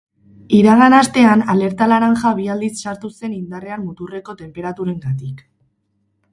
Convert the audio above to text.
Iragan astean alerta laranja bi aldiz sartu zen indarrean muturreko tenperaturengatik.